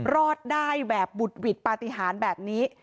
รอดได้แบบบุดหวิดปฏิหารแบบนี้